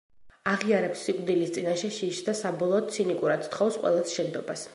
აღიარებს სიკვდილის წინაშე შიშს და, საბოლოოდ, ცინიკურად სთხოვს ყველას შენდობას.